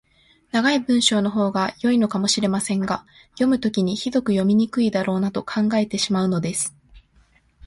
長い文章のほうが良いのかもしれませんが、読むときにひどく読みにくいだろうなと考えてしまうのです。